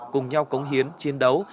cùng nhau cống hiến chiến đấu